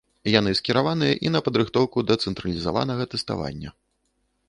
Яны скіраваныя і на падрыхтоўку да цэнтралізаванага тэставання.